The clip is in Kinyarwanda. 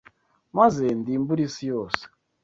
maze ndimbure isi yose